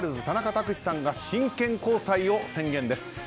田中卓志さんが真剣交際を宣言です。